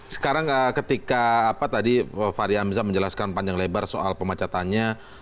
sekarang ketika pak fahri amzam menjelaskan panjang lebar soal pemacatannya